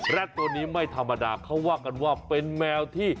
ตัวนี้ไม่ธรรมดาเขาว่ากันว่าเป็นแมวที่